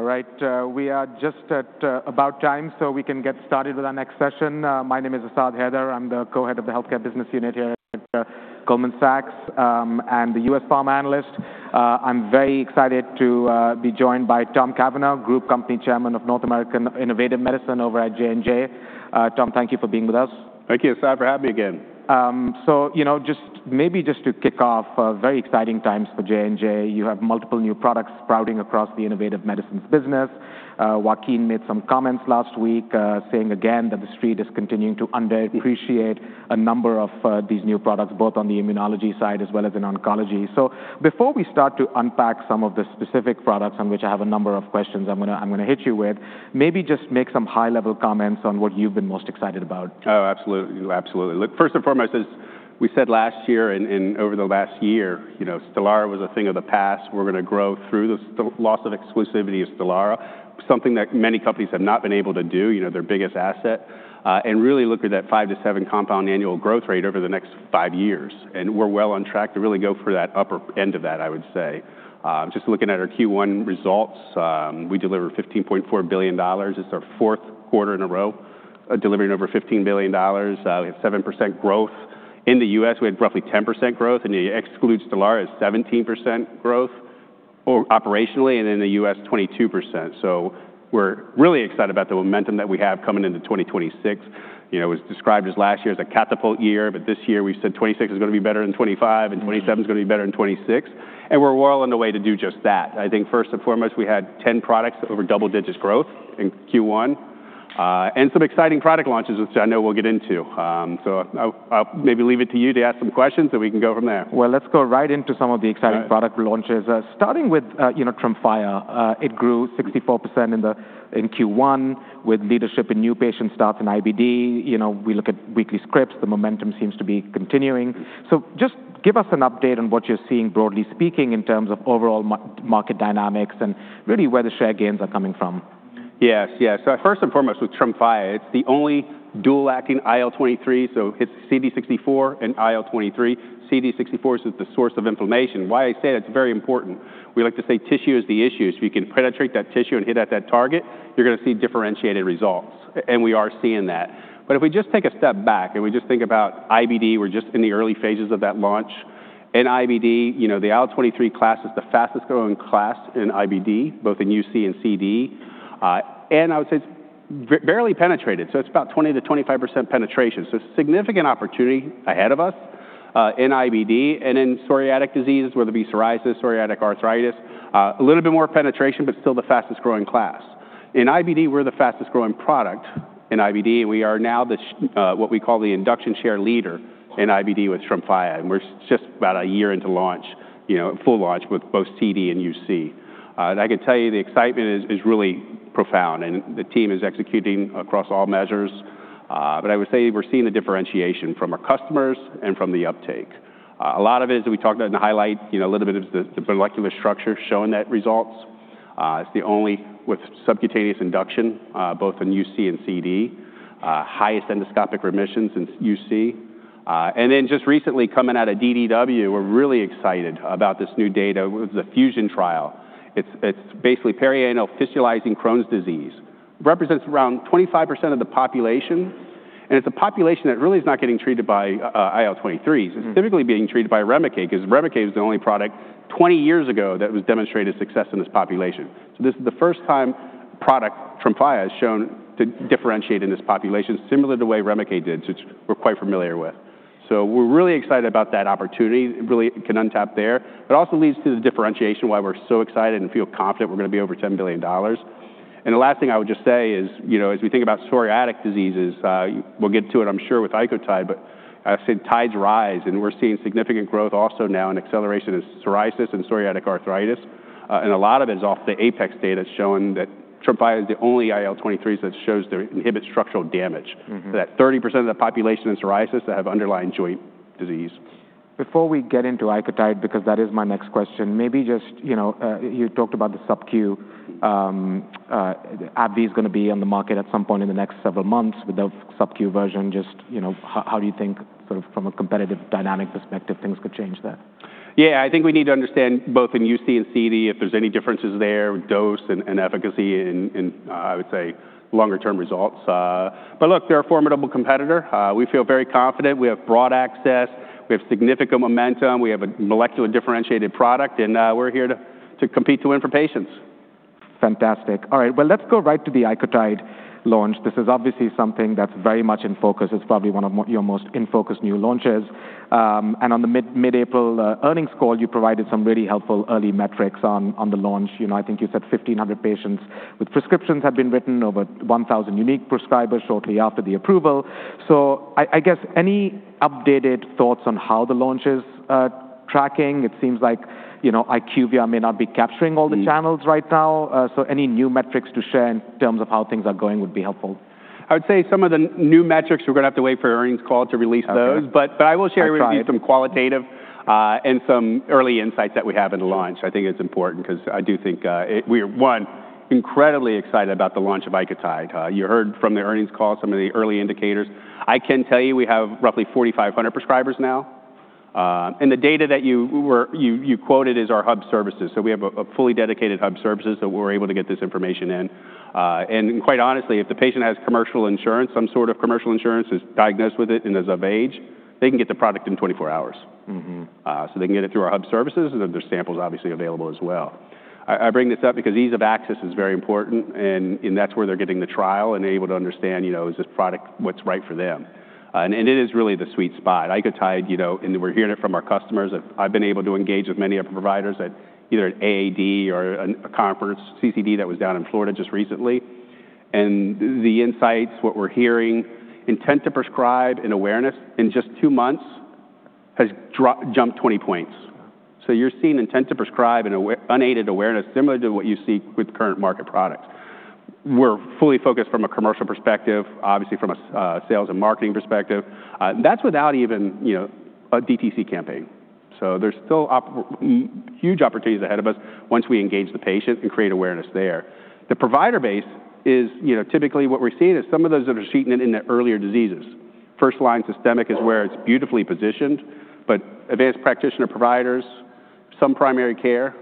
All right. We are just about time, so we can get started with our next session. My name is Asad Haider. I'm the Co-head of the Healthcare Business Unit here at Goldman Sachs and the U.S. Pharma Analyst. I'm very excited to be joined by Tom Cavanaugh, Company Group Chairman of North American Innovative Medicine over at J&J. Tom, thank you for being with us. Thank you, Asad, for having me again. Maybe just to kick off, very exciting times for J&J. You have multiple new products sprouting across the Innovative Medicines business. Joaquin made some comments last week, saying again that the Street is continuing to underappreciate a number of these new products, both on the immunology side as well as in oncology. Before we start to unpack some of the specific products, on which I have a number of questions I'm going to hit you with, maybe just make some high-level comments on what you've been most excited about. Oh, absolutely. Look, first and foremost, as we said last year and over the last year, STELARA was a thing of the past. We're going to grow through the loss of exclusivity of STELARA, something that many companies have not been able to do, their biggest asset, and really look at that 5%-7% compound annual growth rate over the next five years. We're well on track to really go for that upper end of that, I would say. Just looking at our Q1 results, we delivered $15.4 billion. It's our fourth quarter in a row delivering over $15 billion. We have 7% growth. In the U.S., we had roughly 10% growth, and you exclude STELARA, it's 17% growth operationally, and in the U.S., 22%. We're really excited about the momentum that we have coming into 2026. It was described as last year as a catapult year, but this year we've said 2026 is going to be better than 2025, and 2017 is going to be better than 2026. We're well on the way to do just that. I think first and foremost, we had 10 products over double-digits growth in Q1, and some exciting product launches, which I know we'll get into. I'll maybe leave it to you to ask some questions, and we can go from there. Well, let's go right into some of the exciting- Right. ...product launches, starting with TREMFYA. It grew 64% in Q1 with leadership in new patient starts in IBD. We look at weekly scripts, the momentum seems to be continuing. Just give us an update on what you're seeing, broadly speaking, in terms of overall market dynamics and really where the share gains are coming from? Yes. First and foremost, with TREMFYA, it's the only dual-acting IL-23, so hits CD64 and IL-23. CD64 is the source of inflammation. Why I say that's very important. We like to say tissue is the issue. If you can penetrate that tissue and hit at that target, you're going to see differentiated results. We are seeing that. If we just take a step back and we just think about IBD, we're just in the early phases of that launch. In IBD, the IL-23 class is the fastest growing class in IBD, both in UC and CD. I would say it's barely penetrated, so it's about 20%-25% penetration. Significant opportunity ahead of us in IBD and in psoriatic diseases, whether it be psoriasis, psoriatic arthritis. A little bit more penetration, but still the fastest growing class. In IBD, we're the fastest growing product in IBD, we are now what we call the induction share leader in IBD with TREMFYA, we're just about one year into full launch with both CD and UC. I can tell you the excitement is really profound, the team is executing across all measures. I would say we're seeing the differentiation from our customers and from the uptake. A lot of it is that we talked about in the highlight, a little bit of the molecular structure showing that results. It's the only with subcutaneous induction, both in UC and CD. Highest endoscopic remissions in UC. Just recently coming out of DDW, we're really excited about this new data with the FUZION trial. It's basically perianal fistulizing Crohn's disease. Represents around 25% of the population, it's a population that really is not getting treated by IL-23s. It's typically being treated by REMICADE because REMICADE was the only product 20 years ago that was demonstrated success in this population. This is the first time product TREMFYA has shown to differentiate in this population, similar to the way REMICADE did, which we're quite familiar with. Also leads to the differentiation why we're so excited and feel confident we're going to be over $10 billion. The last thing I would just say is, as we think about psoriatic diseases, we'll get to it, I'm sure, with ICOTYDE, as the tides rise, we're seeing significant growth also now and acceleration of psoriasis and psoriatic arthritis. A lot of it is off the APEX data that's showing that TREMFYA is the only IL-23 that shows to inhibit structural damage. That 30% of the population in psoriasis that have underlying joint disease. Before we get into ICOTYDE, because that is my next question, you talked about the sub-Q. AbbVie is going to be on the market at some point in the next several months with the sub-Q version. How do you think from a competitive dynamic perspective things could change there? Yeah, I think we need to understand both in UC and CD, if there's any differences there with dose and efficacy and, I would say, longer-term results. Look, they're a formidable competitor. We feel very confident. We have broad access. We have significant momentum. We have a molecular differentiated product, we're here to compete to win for patients. Fantastic. All right. Well, let's go right to the ICOTYDE launch. This is obviously something that's very much in focus. It's probably one of your most in-focus new launches. On the mid-April earnings call, you provided some really helpful early metrics on the launch. I think you said 1,500 patients with prescriptions have been written, over 1,000 unique prescribers shortly after the approval. I guess any updated thoughts on how the launch is tracking? It seems like IQVIA may not be capturing all the channels right now. Any new metrics to share in terms of how things are going would be helpful. I would say some of the new metrics, we're going to have to wait for earnings call to release those. Okay. I will share- I tried. ...with you some qualitative and some early insights that we have in the launch. I think it's important because I do think we're, one, incredibly excited about the launch of ICOTYDE. You heard from the earnings call some of the early indicators. I can tell you we have roughly 4,500 prescribers now. The data that you quoted is our hub services. We have a fully dedicated hub services that we're able to get this information in. Quite honestly, if the patient has commercial insurance, some sort of commercial insurance, is diagnosed with it, and is of age, they can get the product in 24 hours. They can get it through our hub services, and then there's samples obviously available as well. I bring this up because ease of access is very important, and that's where they're getting the trial and able to understand, is this product what's right for them. It is really the sweet spot. We're hearing it from our customers. I've been able to engage with many of the providers at either an AAD or a conference, CCD, that was down in Florida just recently. The insights, what we're hearing, intent to prescribe and awareness in just two months has jumped 20 points. You're seeing intent to prescribe and unaided awareness similar to what you see with current market products. We're fully focused from a commercial perspective, obviously from a sales and marketing perspective. That's without even a DTC campaign. There's still huge opportunities ahead of us once we engage the patient and create awareness there. The provider base is, typically what we're seeing is some of those that are treating it in the earlier diseases. First-line systemic is where it's beautifully positioned, but advanced practitioner providers, some primary care,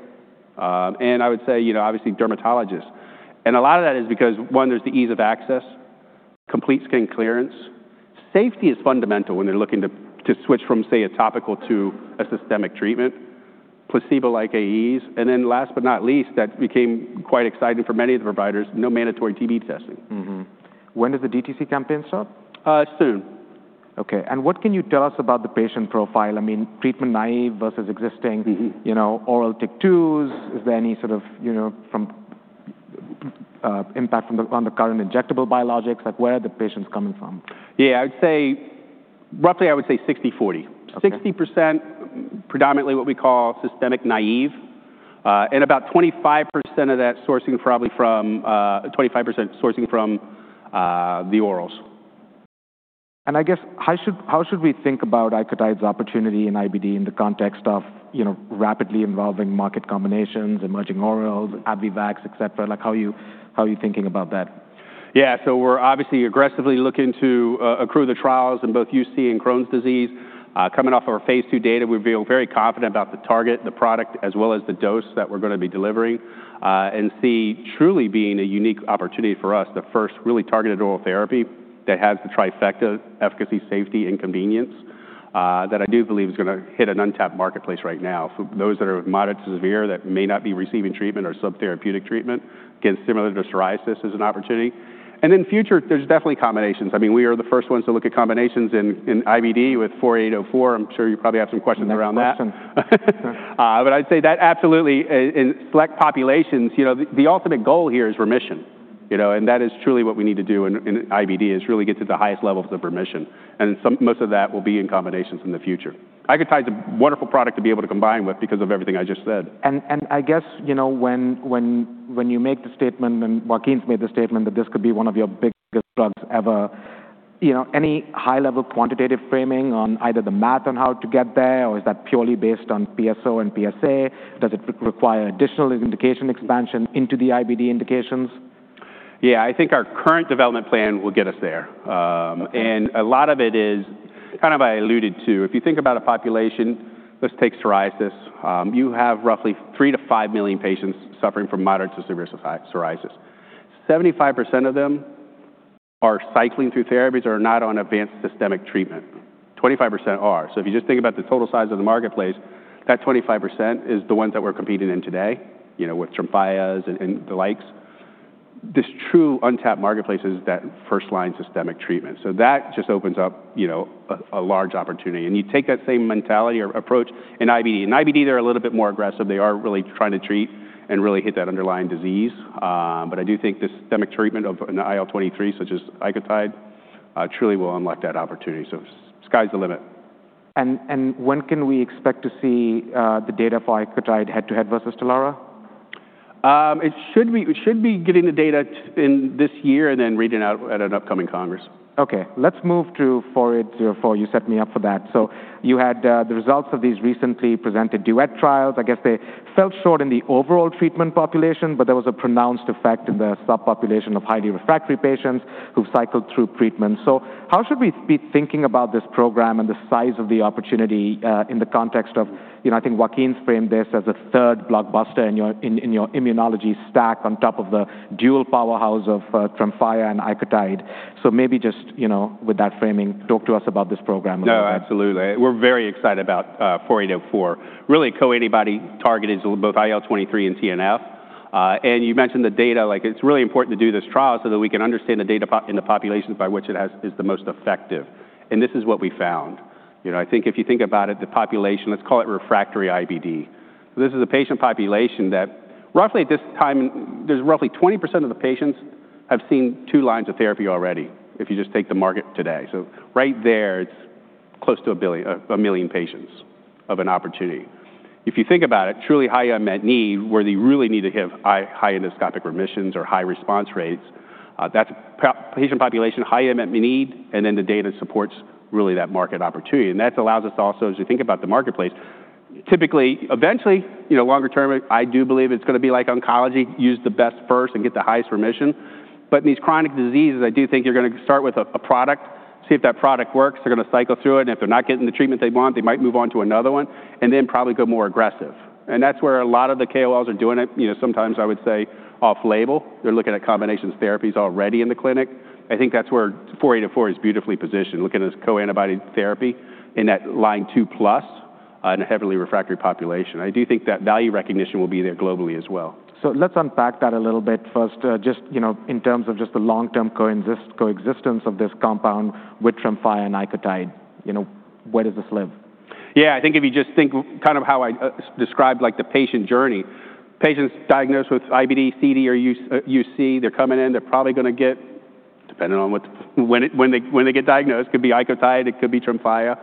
and I would say, obviously dermatologists. A lot of that is because, one, there's the ease of access, complete skin clearance. Safety is fundamental when they're looking to switch from, say, a topical to a systemic treatment. Placebo-like AEs. Last but not least, that became quite exciting for many of the providers, no mandatory TB testing. When does the DTC campaign start? Soon. Okay. What can you tell us about the patient profile? Treatment naive versus existing oral JAKs. Is there any impact on the current injectable biologics? Where are the patients coming from? I say roughly I would say 60/40. Okay. 60% predominantly what we call systemic naive, and about 25% sourcing from the orals. I guess, how should we think about ICOTYDE's opportunity in IBD in the context of rapidly evolving market combinations, emerging orals, atacicept, etc? How are you thinking about that? We're obviously aggressively looking to accrue the trials in both UC and Crohn's disease. Coming off our phase II data, we feel very confident about the target, the product, as well as the dose that we're going to be delivering, and see truly being a unique opportunity for us, the first really targeted oral therapy that has the trifecta efficacy, safety, and convenience, that I do believe is going to hit an untapped marketplace right now for those that are moderate to severe that may not be receiving treatment or subtherapeutic treatment. Again, similar to psoriasis as an opportunity. In future, there's definitely combinations. We are the first ones to look at combinations in IBD with J&J-4804. I'm sure you probably have some questions around that. Next question. I'd say that absolutely in select populations, the ultimate goal here is remission. That is truly what we need to do in IBD, is really get to the highest levels of remission. Most of that will be in combinations in the future. ICOTYDE's a wonderful product to be able to combine with because of everything I just said. I guess, when you make the statement, and Joaquin's made the statement that this could be one of your biggest drugs ever, any high-level quantitative framing on either the math on how to get there, or is that purely based on PSO and PSA? Does it require additional indication expansion into the IBD indications? Yeah. I think our current development plan will get us there. Okay. A lot of it is, kind of I alluded to, if you think about a population, let's take psoriasis. You have roughly 3 million-5 million patients suffering from moderate to severe psoriasis. 75% of them are cycling through therapies or are not on advanced systemic treatment. 25% are. If you just think about the total size of the marketplace, that 25% is the ones that we're competing in today, with TREMFYA and the likes. This true untapped marketplace is that first-line systemic treatment. That just opens up a large opportunity. You take that same mentality or approach in IBD. In IBD, they're a little bit more aggressive. They are really trying to treat and really hit that underlying disease. I do think the systemic treatment of an IL-23, such as ICOTYDE, truly will unlock that opportunity. Sky's the limit. When can we expect to see the data for ICOTYDE head-to-head versus STELARA? It should be getting the data in this year and then reading out at an upcoming congress. Okay. Let's move to J&J-4804. You set me up for that. You had the results of these recently presented DUET trials. I guess they fell short in the overall treatment population, but there was a pronounced effect in the subpopulation of highly refractory patients who've cycled through treatments. How should we be thinking about this program and the size of the opportunity in the context of, I think Joaquin's framed this as a third blockbuster in your immunology stack on top of the dual powerhouse of TREMFYA and ICOTYDE. Maybe just, with that framing, talk to us about this program a little bit. No, absolutely. We're very excited about J&J-4804. Really a co-antibody targeted to both IL-23 and TNF. You mentioned the data, it's really important to do this trial so that we can understand the data in the populations by which it is the most effective. This is what we found. I think if you think about it, the population, let's call it refractory IBD. This is a patient population that roughly at this time, there's roughly 20% of the patients have seen two lines of therapy already, if you just take the market today. Right there, it's close to 1 million patients of an opportunity. If you think about it, truly high unmet need, where they really need to have high endoscopic remissions or high response rates, that patient population, high unmet need. The data supports really that market opportunity. That allows us to also, as you think about the marketplace. Typically, eventually, longer term, I do believe it's going to be like oncology, use the best first and get the highest remission. In these chronic diseases, I do think you're going to start with a product, see if that product works. They're going to cycle through it. If they're not getting the treatment they want, they might move on to another one. Then probably go more aggressive. That's where a lot of the KOLs are doing it. Sometimes I would say off-label, they're looking at combinations therapies already in the clinic. I think that's where JNJ-4804 is beautifully positioned. Looking at this co-antibody therapy in that line 2+ in a heavily refractory population. I do think that value recognition will be there globally as well. Let's unpack that a little bit. First, just in terms of just the long-term coexistence of this compound with TREMFYA and ICOTYDE. Where does this live? I think if you just think kind of how I described the patient journey. Patients diagnosed with IBD, CD, or UC, they're coming in, they're probably going to get, depending on when they get diagnosed, could be ICOTYDE, it could be TREMFYA.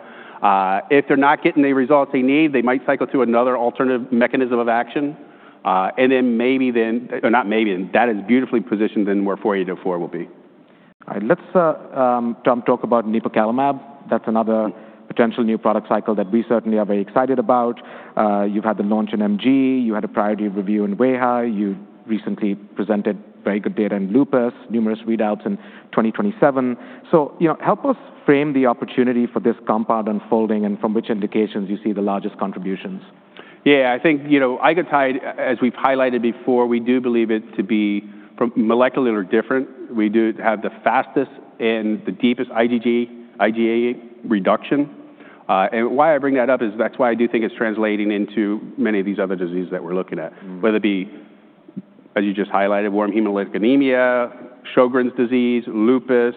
If they're not getting the results they need, they might cycle to another alternative mechanism of action. Then maybe. Or not maybe, that is beautifully positioned then where JNJ-4804 will be. All right, let's talk about nipocalimab. That's another potential new product cycle that we certainly are very excited about. You've had the launch in MG, you had a priority review in wAIHA, you recently presented very good data in lupus, numerous readouts in 2027. Help us frame the opportunity for this compound unfolding and from which indications you see the largest contributions. Yeah, I think, ICOTYDE, as we've highlighted before, we do believe it to be molecularly different. We do have the fastest and the deepest IgG, IgA reduction. Why I bring that up is that's why I do think it's translating into many of these other diseases that we're looking at. Whether it be, as you just highlighted, wAIHA, Sjögren's disease, lupus,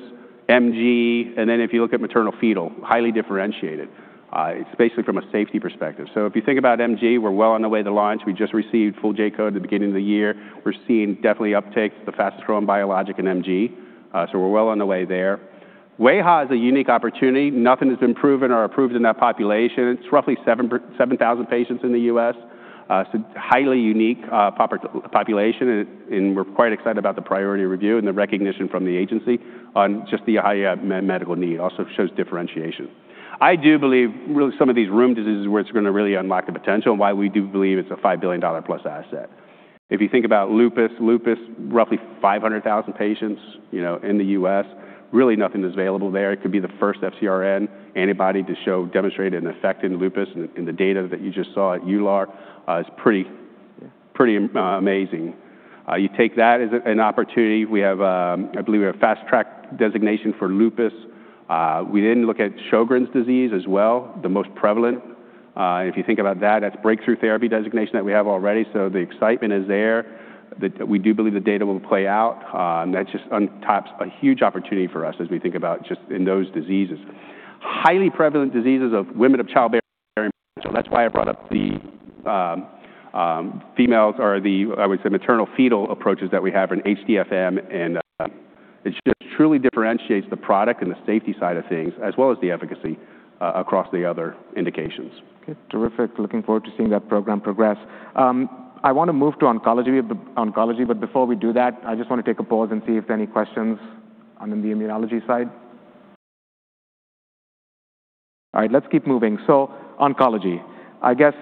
MG, if you look at maternal fetal, highly differentiated. It's basically from a safety perspective. If you think about MG, we're well on the way to launch. We just received full J-code at the beginning of the year. We're seeing definitely uptakes, the fastest growing biologic in MG. We're well on the way there. wAIHA is a unique opportunity. Nothing has been proven or approved in that population. It's roughly 7,000 patients in the U.S. It's a highly unique population, we're quite excited about the priority review and the recognition from the agency on just the high medical need, also shows differentiation. I do believe, really some of these rheum diseases where it's going to really unlock the potential and why we do believe it's a $5 billion+ asset. If you think about lupus, roughly 500,000 patients in the U.S. Really nothing is available there. It could be the first FcRn antibody to show demonstrated an effect in lupus in the data that you just saw at EULAR, is pretty amazing. You take that as an opportunity. I believe we have fast track designation for lupus. We look at Sjögren's disease as well, the most prevalent. If you think about that's breakthrough therapy designation that we have already, the excitement is there. We do believe the data will play out, that's just untaps a huge opportunity for us as we think about just in those diseases. Highly prevalent diseases of women of childbearing potential. That's why I brought up the females or the, I would say, maternal fetal approaches that we have in HDFN, it just truly differentiates the product and the safety side of things as well as the efficacy, across the other indications. Okay, terrific. Looking forward to seeing that program progress. I want to move to oncology. Before we do that, I just want to take a pause and see if there are any questions on the immunology side. All right, let's keep moving. Oncology. I guess,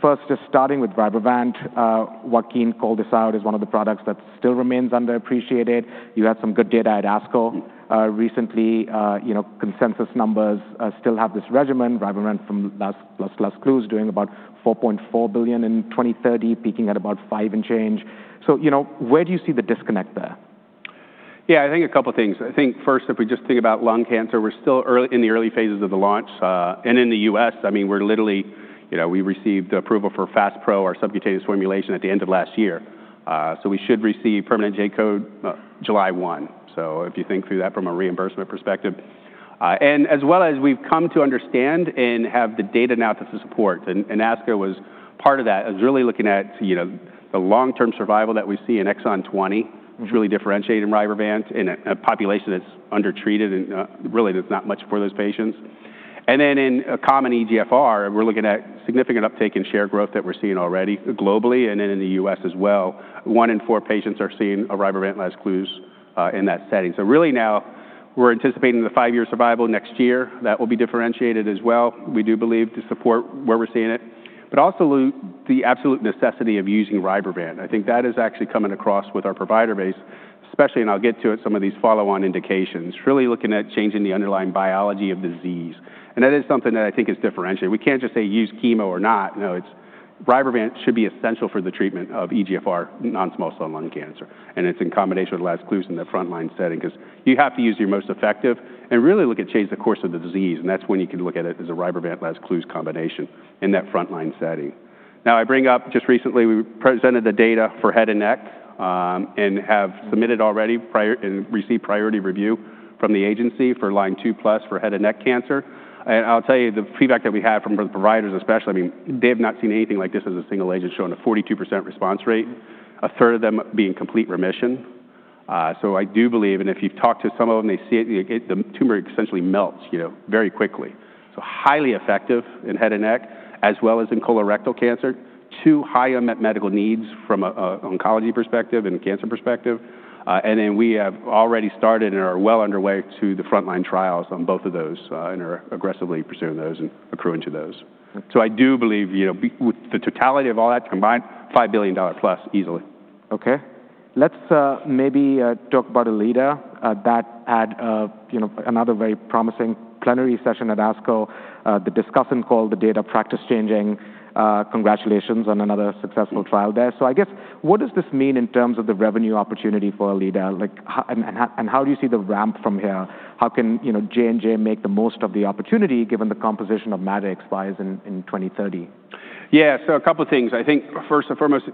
first just starting with RYBREVANT. Joaquin called this out as one of the products that still remains underappreciated. You had some good data at ASCO recently. Consensus numbers still have this regimen, RYBREVANT from LAZCLUZE doing about $4.4 billion in 2030, peaking at about $5 billion and change. Where do you see the disconnect there? Yeah, I think a couple things. I think first, if we just think about lung cancer, we're still in the early phases of the launch. In the U.S., we received approval for FASPRO, our subcutaneous formulation, at the end of last year. We should receive permanent J-code July 1. If you think through that from a reimbursement perspective. As well as we've come to understand and have the data now to support, and ASCO was part of that. I was really looking at the long-term survival that we see in exon 20, which really differentiate in RYBREVANT in a population that's undertreated and really there's not much for those patients. In a common EGFR, we're looking at significant uptake in share growth that we're seeing already globally and then in the U.S. as well. One in four patients are seeing a RYBREVANT LAZCLUZE in that setting. Really now we're anticipating the five-year survival next year. That will be differentiated as well, we do believe, to support where we're seeing it. Also the absolute necessity of using RYBREVANT. I think that is actually coming across with our provider base, especially, and I'll get to it, some of these follow-on indications, really looking at changing the underlying biology of disease. That is something that I think is differentiated. We can't just say use chemo or not. No, RYBREVANT should be essential for the treatment of EGFR non-small cell lung cancer. It's in combination with LAZCLUZE in the frontline setting because you have to use your most effective. Really look at change the course of the disease. That's when you can look at it as a RYBREVANT LAZCLUZE combination in that frontline setting. I bring up just recently, we presented the data for head and neck. Have submitted already and received priority review from the agency for line 2+ for head and neck cancer. I'll tell you the feedback that we had from the providers especially, they have not seen anything like this as a single agent showing a 42% response rate, 1/3 of them being complete remission. I do believe, and if you've talked to some of them, they see it, the tumor essentially melts very quickly. Highly effective in head and neck as well as in colorectal cancer. Two high unmet medical needs from an oncology perspective and a cancer perspective. Then we have already started and are well underway to the frontline trials on both of those, and are aggressively pursuing those and accruing to those. I do believe, with the totality of all that combined, $5 billion+ easily. Okay. Let's maybe talk about ERLEADA that had another very promising plenary session at ASCO, the discussant called the data practice-changing. Congratulations on another successful trial there. I guess, what does this mean in terms of the revenue opportunity for ERLEADA? How do you see the ramp from here? How can J&J make the most of the opportunity given the composition of Madix buys in 2030? Yeah. A couple things. I think first and foremost,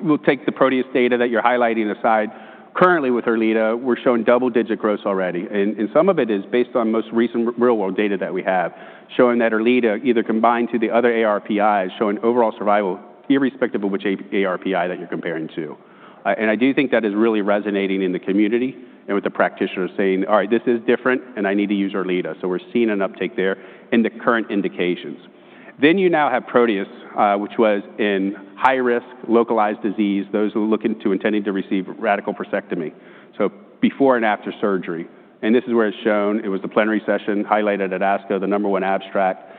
we'll take the PROTEUS data that you're highlighting aside. Currently with ERLEADA, we're showing double-digit growth already, and some of it is based on most recent real-world data that we have, showing that ERLEADA either combined to the other ARPIs, showing overall survival irrespective of which ARPI that you're comparing to. I do think that is really resonating in the community and with the practitioners saying, "All right, this is different and I need to use ERLEADA." We're seeing an uptake there in the current indications. You now have PROTEUS, which was in high-risk, localized disease, those who are looking to intending to receive radical prostatectomy, so before and after surgery. This is where it's shown, it was the plenary session highlighted at ASCO, the number one abstract.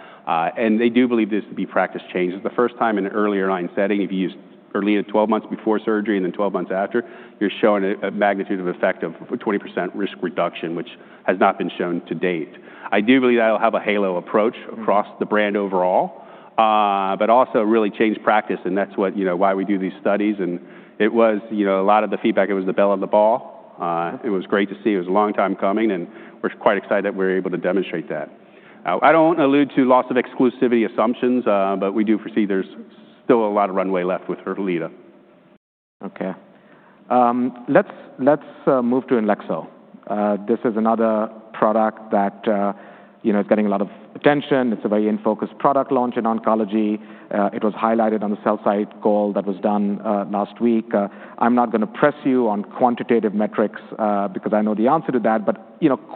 They do believe this to be practice change. It's the first time in an earlier-line setting if you use ERLEADA 12 months before surgery and then 12 months after, you're showing a magnitude of effect of a 20% risk reduction, which has not been shown to date. I do believe that'll have a halo approach across the brand overall, but also really change practice, and that's why we do these studies. A lot of the feedback, it was the belle of the ball. It was great to see. It was a long time coming, and we're quite excited that we were able to demonstrate that. I don't want to allude to loss of exclusivity assumptions, but we do foresee there's still a lot of runway left with ERLEADA. Let's move to INLEXZO. This is another product that is getting a lot of attention. It's a very in-focus product launch in oncology. It was highlighted on the sell-side call that was done last week. I'm not going to press you on quantitative metrics because I know the answer to that, but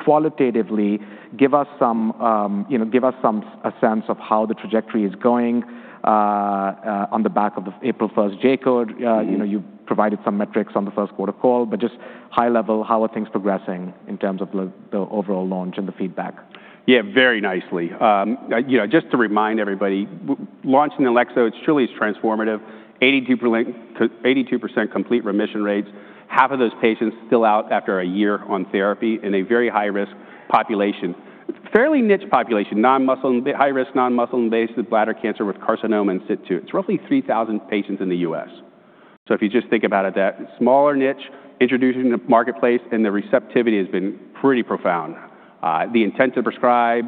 qualitatively, give us a sense of how the trajectory is going on the back of the April 1st J-code. You provided some metrics on the first quarter call, but just high level, how are things progressing in terms of the overall launch and the feedback? Very nicely. Just to remind everybody, launching INLEXZO, it truly is transformative, 82% complete remission rates, half of those patients still out after a year on therapy in a very high-risk population. It's a fairly niche population, high-risk non-muscle invasive bladder cancer with carcinoma in situ. It's roughly 3,000 patients in the U.S. If you just think about it, that smaller niche introduced into the marketplace, and the receptivity has been pretty profound. The intent to prescribe,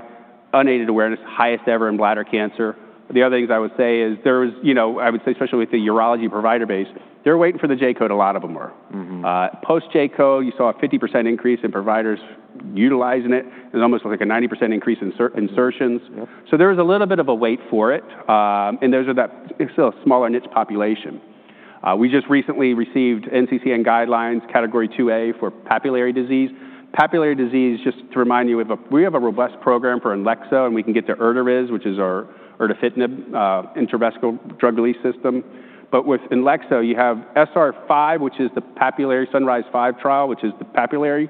unaided awareness, highest ever in bladder cancer. The other things I would say is, especially with the urology provider base, they were waiting for the J-code, a lot of them were. Post J-code, you saw a 50% increase in providers utilizing it. There's almost like a 90% increase in insertions. Yep. There was a little bit of a wait for it, and it's still a smaller niche population. We just recently received NCCN guidelines category 2A for papillary disease. Papillary disease, just to remind you, we have a robust program for INLEXZO, and we can get to Erda-iDRS, which is our erdafitinib intravesical drug release system. With INLEXZO, you have SR-5, which is the Papillary SunRISe-5 trial, which is the papillary,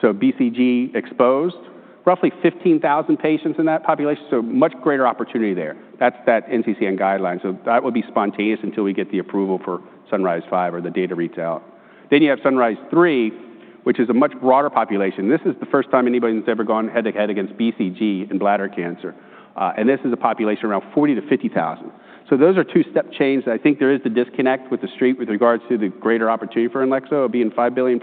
so BCG exposed. Roughly 15,000 patients in that population, so much greater opportunity there. That's that NCCN guideline. That will be spontaneous until we get the approval for SunRISe-5 or the data reads out. You have SunRISe-3, which is a much broader population. This is the first time anybody's ever gone head-to-head against BCG in bladder cancer. This is a population around 40,000-50,000. Those are two-step change that I think there is the disconnect with the Street with regards to the greater opportunity for INLEXZO being $5 billion+.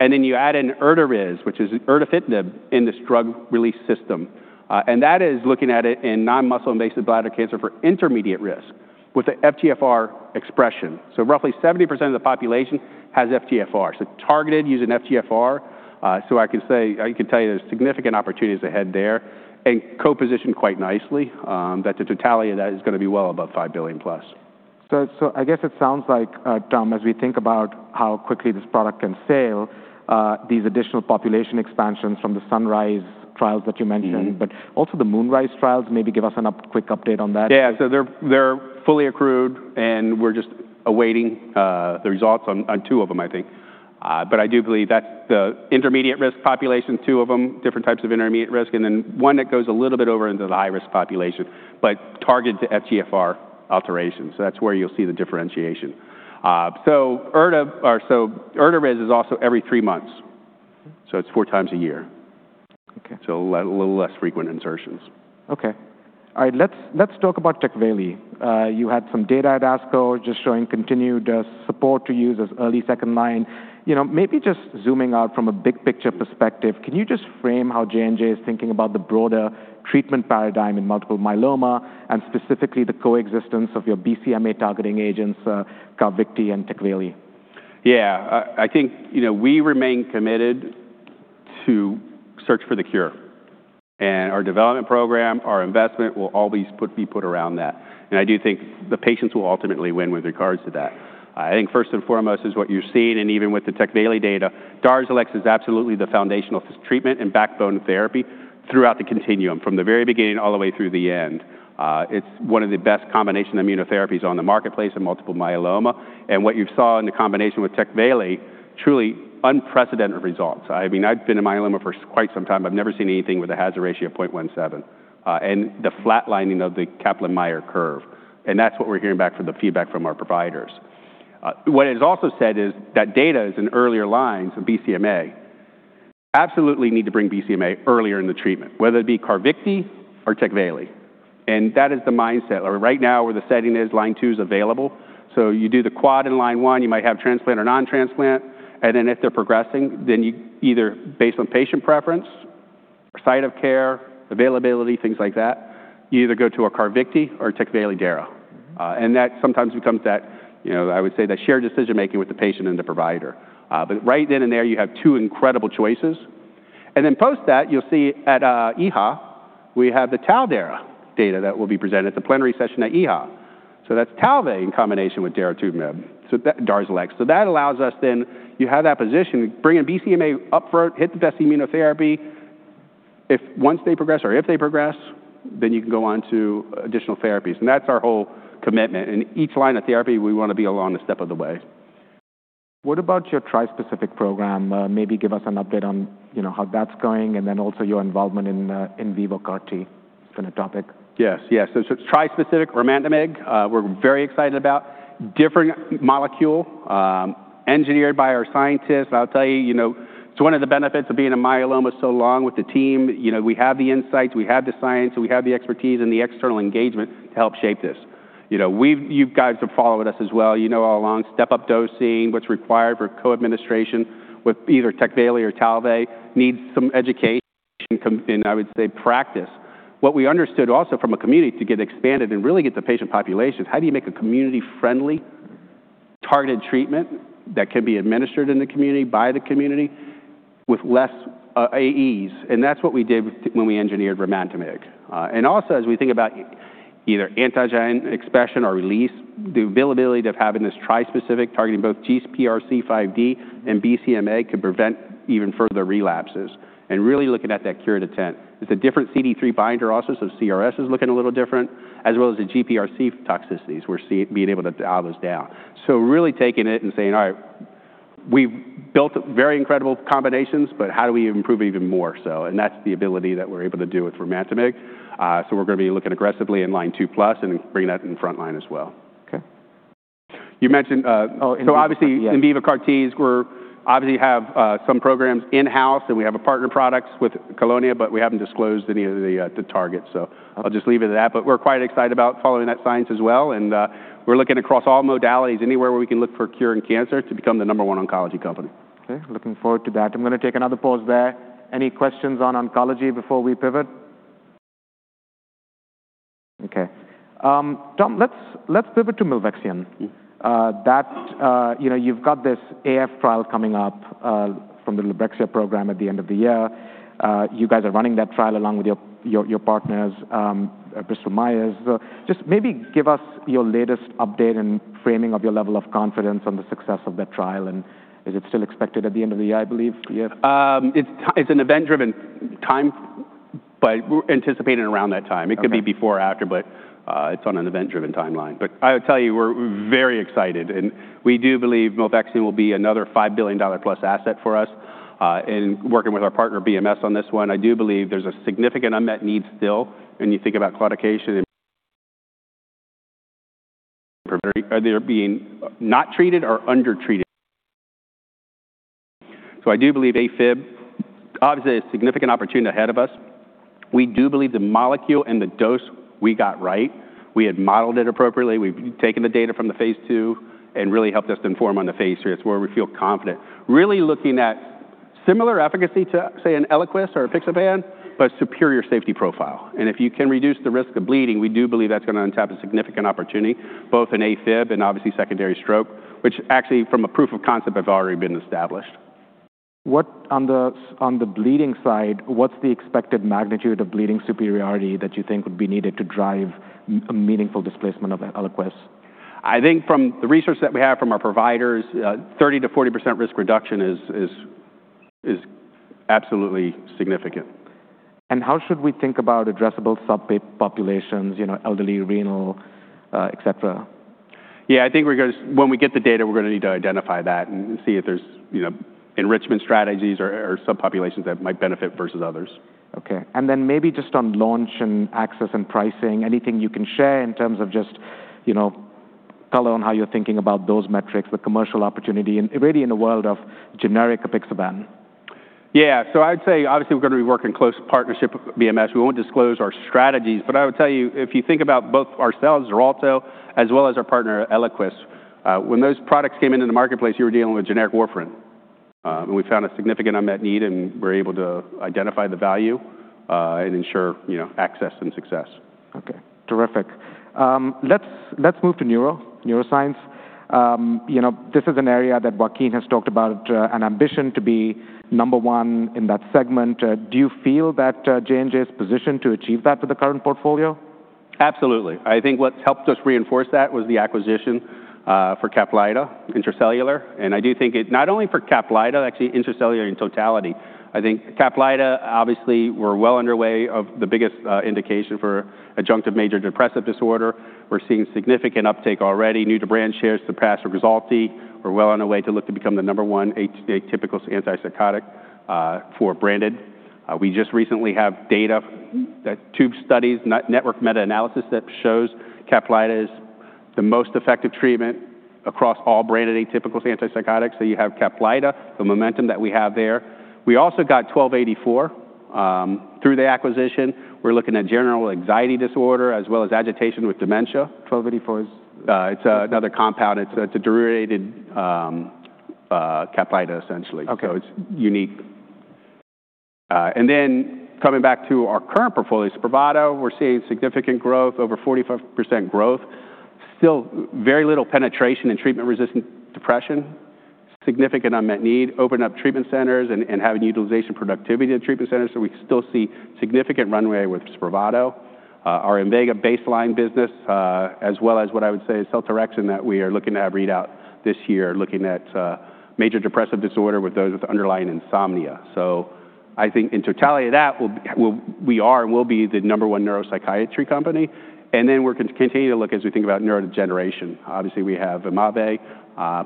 You add in Erda-iDRS, which is erdafitinib in this drug release system. That is looking at it in non-muscle invasive bladder cancer for intermediate risk with the FGFR expression. Roughly 70% of the population has FGFR, targeted using FGFR. I can tell you there's significant opportunities ahead there and co-positioned quite nicely, that the totality of that is going to be well above $5 billion+. I guess it sounds like, Tom, as we think about how quickly this product can sail, these additional population expansions from the SunRISe trials that you mentioned-Also the MoonRISe trials, maybe give us a quick update on that. Yeah. They're fully accrued, we're just awaiting the results on two of them, I think. I do believe that the intermediate-risk population, two of them, different types of intermediate risk, and then one that goes a little bit over into the high-risk population, targeted to FGFR alterations, that's where you'll see the differentiation. Erda-iDRS is also every three months, it's four times a year. Okay. A little less frequent insertions. Okay. All right. Let's talk about TECVAYLI. You had some data at ASCO just showing continued support to use as early second line. Maybe just zooming out from a big-picture perspective, can you just frame how J&J is thinking about the broader treatment paradigm in multiple myeloma and specifically the coexistence of your BCMA targeting agents, CARVYKTI and TECVAYLI? Yeah. I think we remain committed to search for the cure. Our development program, our investment, will all be put around that. I do think the patients will ultimately win with regards to that. I think first and foremost is what you're seeing, and even with the TECVAYLI data, DARZALEX is absolutely the foundational treatment and backbone therapy throughout the continuum, from the very beginning all the way through the end. It's one of the best combination immunotherapies on the marketplace in multiple myeloma. What you saw in the combination with TECVAYLI, truly unprecedented results. I've been in myeloma for quite some time. I've never seen anything with a hazard ratio of 0.17 and the flat-lining of the Kaplan-Meier curve. That's what we're hearing back from the feedback from our providers. What is also said is that data is in earlier lines of BCMA. Absolutely need to bring BCMA earlier in the treatment, whether it be CARVYKTI or TECVAYLI. That is the mindset. Right now, where the setting is, line two is available. You do the quad in line one, you might have transplant or non-transplant, then if they're progressing, you either, based on patient preference or site of care, availability, things like that, you either go to a CARVYKTI or a TECVAYLI/DARA. That sometimes becomes that, I would say, that shared decision-making with the patient and the provider. Right then and there, you have two incredible choices. Then post that, you'll see at EHA, we have the TAL/DARA data that will be presented at the plenary session at EHA. That's TALVEY in combination with daratumumab, so DARZALEX. That allows us then, you have that position to bring in BCMA up front, hit the best immunotherapy. If once they progress or if they progress, then you can go on to additional therapies. That's our whole commitment. In each line of therapy, we want to be along a step of the way. What about your tri-specific program? Maybe give us an update on how that's going, and then also your involvement in vivo CAR T. It's been a topic. Yes. Tri-specific ramantamig, we're very excited about. Different molecule, engineered by our scientists. I'll tell you, it's one of the benefits of being in myeloma so long with the team. We have the insights, we have the science, and we have the expertise and the external engagement to help shape this. You guys have followed us as well. You know all along, step-up dosing, what's required for co-administration with either TECVAYLI or TALVEY, needs some education and I would say practice. What we understood also from a community to get expanded and really get the patient population, how do you make a community-friendly targeted treatment that can be administered in the community by the community with less AEs? That's what we did when we engineered ramantamig. Also, as we think about either antigen expression or release, the availability of having this tri-specific targeting both GPRC5D and BCMA could prevent even further relapses. Really looking at that cure to 10. It's a different CD3 binder also, CRS is looking a little different, as well as the GPRC toxicities. We're being able to dial those down. Really taking it and saying, all right, we've built very incredible combinations, how do we improve even more so? That's the ability that we're able to do with ramantamig. We're going to be looking aggressively in line 2+ and bringing that in the front line as well. Okay. You mentioned. Oh, in vivo. Obviously- Yes. ...in vivo CAR Ts, we obviously have some programs in-house, and we have a partner product with Kelonia, but we haven't disclosed any of the targets. I'll just leave it at that. We're quite excited about following that science as well, and we're looking across all modalities, anywhere where we can look for a cure in cancer to become the number one oncology company. Okay. Looking forward to that. I'm going to take another pause there. Any questions on oncology before we pivot? Okay. Tom, let's pivot to milvexian. You've got this AFib trial coming up from the milvexian program at the end of the year. You guys are running that trial along with your partners, Bristol Myers. Maybe give us your latest update and framing of your level of confidence on the success of that trial, is it still expected at the end of the year, I believe? Yeah. It's an event-driven time, anticipating around that time. Okay. It could be before or after, it's on an event-driven timeline. I would tell you, we're very excited, and we do believe milvexian will be another $5 billion+ asset for us. In working with our partner BMS on this one, I do believe there's a significant unmet need still when you think about claudication and either being not treated or undertreated. I do believe AFib, obviously a significant opportunity ahead of us. We do believe the molecule and the dose we got right. We had modeled it appropriately. We've taken the data from the phase II and really helped us inform on the phase III. It's where we feel confident. Really looking at similar efficacy to, say, an ELIQUIS or apixaban, superior safety profile. If you can reduce the risk of bleeding, we do believe that's going to untap a significant opportunity, both in AFib and obviously secondary stroke, which actually from a proof of concept have already been established. On the bleeding side, what's the expected magnitude of bleeding superiority that you think would be needed to drive a meaningful displacement of ELIQUIS? I think from the research that we have from our providers, 30%-40% risk reduction is absolutely significant. How should we think about addressable subpopulations, elderly, renal, etc? I think when we get the data, we're going to need to identify that and see if there's enrichment strategies or subpopulations that might benefit versus others. Okay. Then maybe just on launch and access and pricing, anything you can share in terms of just color on how you're thinking about those metrics, the commercial opportunity, and really in the world of generic apixaban? I'd say obviously we're going to be working close partnership with BMS. We won't disclose our strategies, but I would tell you, if you think about both ourselves, XARELTO, as well as our partner ELIQUIS, when those products came into the marketplace, you were dealing with generic warfarin. We found a significant unmet need, and we're able to identify the value and ensure access and success. Okay. Terrific. Let's move to neuroscience. This is an area that Joaquin has talked about an ambition to be number one in that segment. Do you feel that J&J is positioned to achieve that with the current portfolio? Absolutely. I think what's helped us reinforce that was the acquisition for CAPLYTA, Intra-Cellular. I do think not only for CAPLYTA, actually Intra-Cellular in totality. CAPLYTA, obviously, we're well underway of the biggest indication for adjunctive major depressive disorder. We're seeing significant uptake already. New-to-brand shares surpass REXULTI. We're well on our way to look to become the number one atypical antipsychotic for branded. We just recently have data that two studies, network meta-analysis that shows CAPLYTA is the most effective treatment across all branded atypical antipsychotics. You have CAPLYTA, the momentum that we have there. We also got ITI-1284 through the acquisition. We're looking at generalized anxiety disorder as well as agitation with dementia. ITI-1284 is? It's another compound. It's a derivative CAPLYTA, essentially. Okay. It's unique. Coming back to our current portfolio, SPRAVATO, we're seeing significant growth, over 45% growth. Still very little penetration in treatment-resistant depression, significant unmet need, opening up treatment centers and having utilization productivity at treatment centers. We still see significant runway with SPRAVATO. Our INVEGA baseline business, as well as what I would say is seltorexant that we are looking to have read out this year, looking at major depressive disorder with those with underlying insomnia. I think in totality of that, we are and will be the number one neuropsychiatry company. We're going to continue to look as we think about neurodegeneration. Obviously, we have [posdinemab],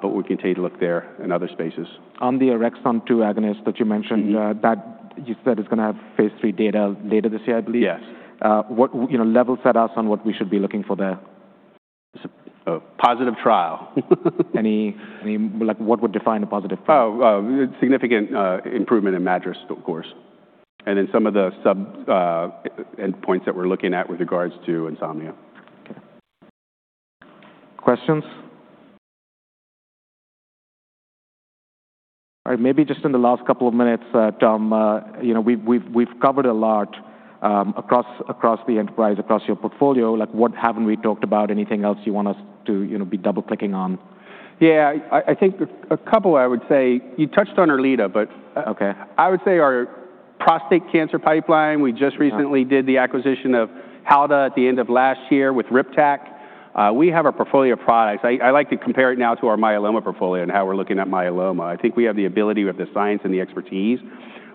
but we continue to look there in other spaces. On the orexin 2 agonist that you mentioned. You said it's going to have phase III data later this year, I believe. Yes. What level set us on what we should be looking for there? A positive trial. What would define a positive trial? Significant improvement in MADRS, of course, and in some of the sub-endpoints that we're looking at with regards to insomnia. Okay. Questions? All right. Maybe just in the last couple of minutes, Tom, we've covered a lot across the enterprise, across your portfolio, what haven't we talked about? Anything else you want us to be double-clicking on? Yeah. I think a couple I would say. You touched on ERLEADA- Okay. ...I would say our prostate cancer pipeline. We just recently did the acquisition of Halda Therapeutics at the end of last year with RIPTAC. We have a portfolio of products. I like to compare it now to our myeloma portfolio and how we're looking at myeloma. I think we have the ability, we have the science and the expertise.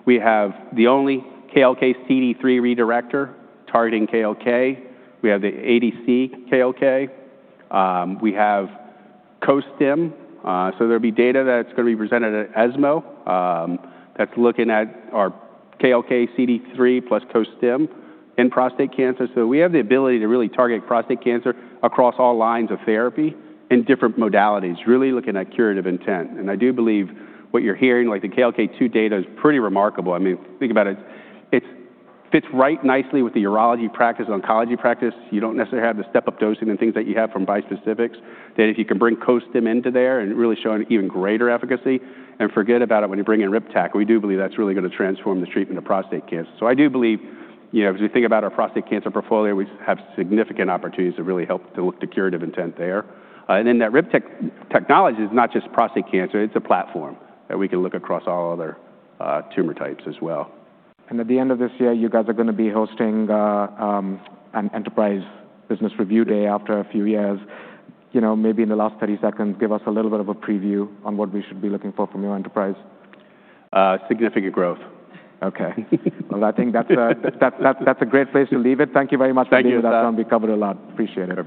We have the only KLK CD3 redirector targeting KLK. We have the ADC KLK. We have CoStim. There'll be data that's going to be presented at ESMO that's looking at our KLK CD3 plus CoStim in prostate cancer. We have the ability to really target prostate cancer across all lines of therapy in different modalities, really looking at curative intent. I do believe what you're hearing, like the KLK2 data, is pretty remarkable. Think about it. It fits right nicely with the urology practice, oncology practice. You don't necessarily have the step-up dosing and things that you have from bispecifics, that if you can bring CoStim into there and really showing even greater efficacy, and forget about it when you bring in RIPTAC. We do believe that's really going to transform the treatment of prostate cancer. I do believe, as we think about our prostate cancer portfolio, we have significant opportunities to really help with the curative intent there. That RIPTAC technology is not just prostate cancer, it's a platform that we can look across all other tumor types as well. At the end of this year, you guys are going to be hosting an enterprise business review day after a few years. Maybe in the last 30 seconds, give us a little bit of a preview on what we should be looking for from your enterprise. Significant growth. Okay. Well, I think that's a great place to leave it. Thank you very much. Thank you. We covered a lot. Appreciate it.